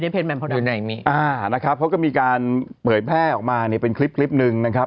เพลิดแมมโพดัมอยู่ไหนไม่มีอ่านะครับเขาก็มีการเปิดแพร่ออกมาเนี่ยเป็นคลิปนึงนะครับ